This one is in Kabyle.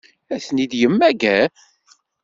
Ad ten-id-yemmager?